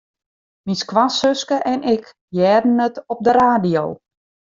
Myn skoansuske en ik hearden it op de radio.